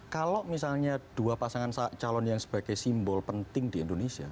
kalau misalnya dua pasangan calon yang sebagai simbol penting di indonesia